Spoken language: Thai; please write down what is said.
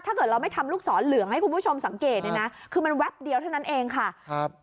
ถ้าเกิดเราไม่ทำลูกศรเหลืองให้คุณผู้ชมสังเกตเนี่ยนะคือมันแป๊บเดียวเท่านั้นเองค่ะครับ